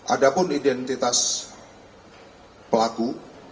ada pun identitas pelaku